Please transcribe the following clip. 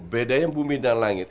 bedanya bumi dan langit